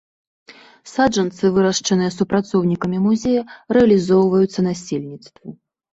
Саджанцы, вырашчаныя супрацоўнікамі музея, рэалізоўваюцца насельніцтву.